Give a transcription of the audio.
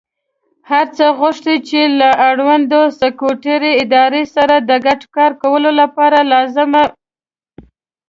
څخه غوښتي چې له اړوندو سکټوري ادارو سره د ګډ کار کولو لپاره لازمه